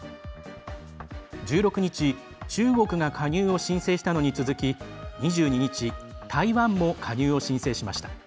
１６日、中国が加入を申請したのに続き２２日、台湾も加入を申請しました。